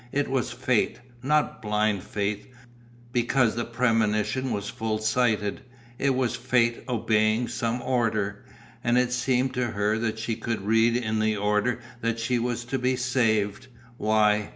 It was Fate, not blind Fate, because the premonition was full sighted, it was Fate obeying some order. And it seemed to her that she could read in the order that she was to be saved. Why?